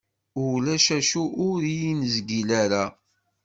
Ulac acu ur yi-nezgil ara.